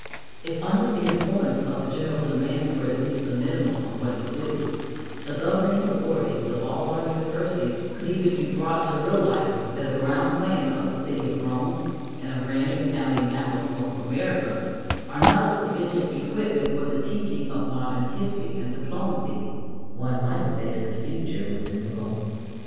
If under the influence of a general demand for at least the minimum of what is due, the governing authorities of all our universities could even be brought to realize that a ground plan of the city of Rome and a Rand McNally map of North America are not a sufficient equipment for the teaching of modern history and diplomacy, one might face the future with a new hope.